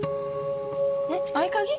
えっ合鍵？